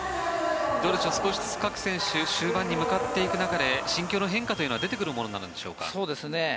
どうでしょう、少しずつ各選手終盤に向かっていく中で心境の変化というのは出てくるものなんでしょうか？